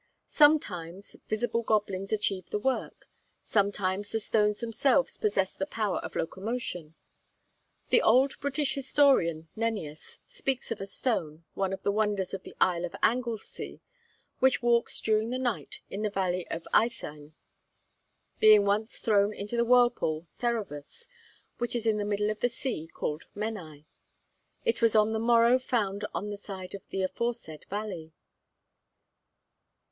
Sometimes visible goblins achieve the work; sometimes the stones themselves possess the power of locomotion. The old British historian Nennius speaks of a stone, one of the wonders of the Isle of Anglesea, which walks during the night in the valley of Eitheinn. Being once thrown into the whirlpool Cerevus, which is in the middle of the sea called Menai, it was on the morrow found on the side of the aforesaid valley.